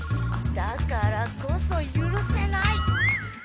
☎だからこそ許せない！